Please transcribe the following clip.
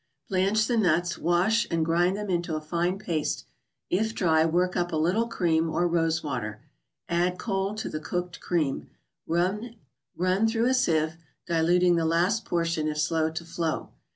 Blanch the nuts; wash, and grind into a fine paste. If dry, work up with a little cream, or rose water. Add, cold, to the cooked cream. Run through a sieve, diluting the last portion, if slow to flow.